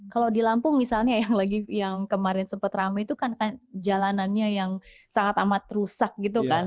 kalau di lampung misalnya yang kemarin sempat rame itu kan jalanannya yang sangat amat rusak gitu kan